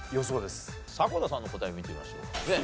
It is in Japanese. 迫田さんの答え見てみましょう。